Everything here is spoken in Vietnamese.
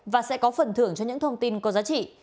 và sẽ có phần thưởng cho những thông tin có giá trị